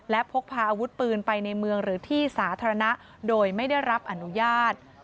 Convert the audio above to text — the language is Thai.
และพกพาอาวุธปืนไปในเมืองหรือที่สาธารณะโดยไม่ได้รับอนุญาต